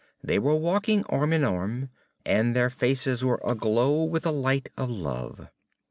They were walking arm in arm, and their faces were aglow with the light of love.